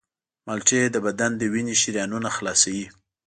مالټې د بدن د وینې شریانونه خلاصوي.